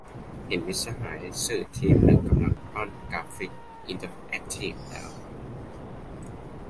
เห็นมิตรสหายสื่อทีมหนึ่งกำลังปั้นกราฟิกอินเทอร์แอคทีฟแล้ว